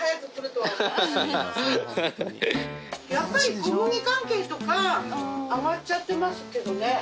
やっぱり小麦関係とか上がっちゃってますけどね。